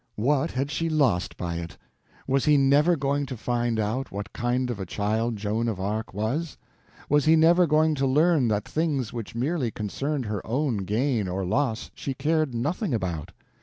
What had she lost by it! Was he never going to find out what kind of a child Joan of Arc was? Was he never going to learn that things which merely concerned her own gain or loss she cared nothing about?